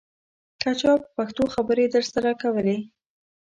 که چا په پښتو خبرې درسره کولې.